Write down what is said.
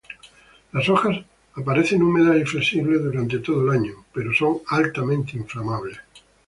Las hojas aparecen húmedas y flexibles durante todo el año, pero son altamente inflamables.